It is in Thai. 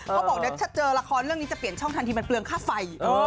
เขาบอกเดี๋ยวถ้าเจอละครเรื่องนี้จะเปลี่ยนช่องทันทีมันเปลืองค่าไฟ